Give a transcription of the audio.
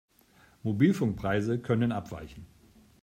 Mobilfunkpreise können abweichen.